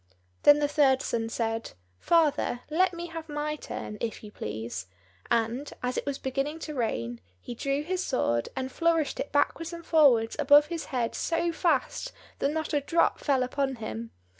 Then the third son said, "Father, let me have my turn, if you please;" and, as it was beginning to rain, he drew his sword, and flourished it backwards and forwards above his head so fast that not a drop fell upon him.